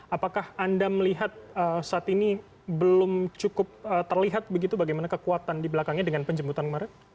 apakah anda melihat saat ini belum cukup terlihat begitu bagaimana kekuatan di belakangnya dengan penjemputan kemarin